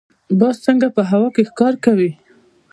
باز څنګه په هوا کې ښکار کوي؟